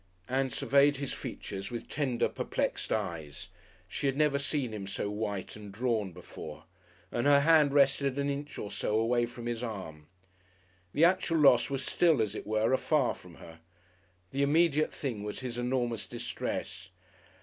Ann surveyed his features with tender, perplexed eyes; she had never seen him so white and drawn before, and her hand rested an inch or so away from his arm. The actual loss was still, as it were, afar from her. The immediate thing was his enormous distress.